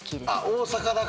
大阪だから？